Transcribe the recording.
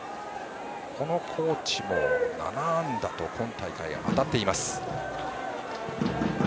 この河内も７安打と今大会、当たっています。